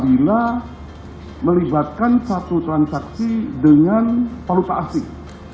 bila melibatkan satu transaksi dengan palupa asing